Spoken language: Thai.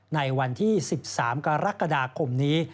ในวันที่๑๓กรกฎาคมนี้